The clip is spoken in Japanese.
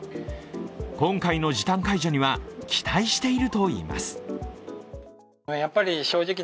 今回の時短解除には期待しているといいます。